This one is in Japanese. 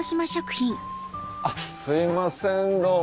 すいませんどうも。